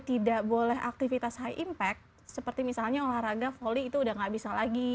jadi tidak boleh aktivitas high impact seperti misalnya olahraga volley itu sudah tidak bisa lagi